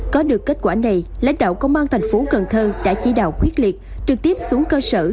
có được kết quả này lãnh đạo công an tp cn đã chỉ đạo quyết liệt trực tiếp xuống cơ sở